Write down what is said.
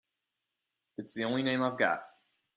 It's the only name I've got.